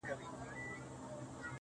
• څه وکړمه لاس کي مي هيڅ څه نه وي.